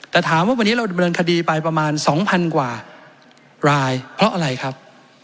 แต่ถามว่าวันนี้เราดำเนินคดีไปประมาณ๒๐๐๐กว่ารายเพราะอะไรครับ